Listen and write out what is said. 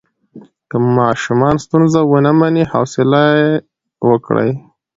که ماشوم ستونزه ونه مني، حوصله یې وکړئ.